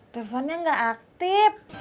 teleponnya gak aktif